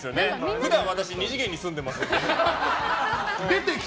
普段、私２次元に住んでますので。